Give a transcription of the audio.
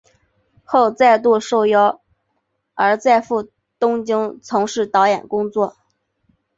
后再度受邀而再赴东京从事导演工作。